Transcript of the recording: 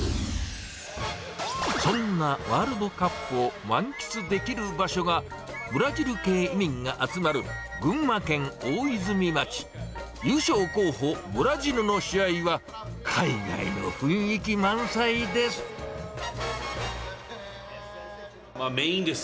そんなワールドカップを満喫できる場所が、ブラジル系移民が集まる群馬県大泉町。優勝候補、ブラジルの試合は海外の雰囲気満載です。